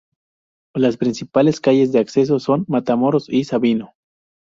Las principales calles de acceso son: Matamoros y Sabino.